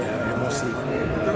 aduh atau masih masih